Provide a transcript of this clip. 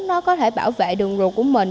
nó có thể bảo vệ đường ruột của mình